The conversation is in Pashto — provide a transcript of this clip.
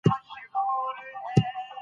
هغه د خدای په لاره کې تنده او لوږه ګاللې ده.